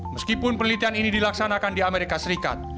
meskipun penelitian ini dilaksanakan di amerika serikat